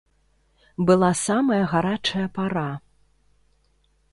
Была самая гарачая пара.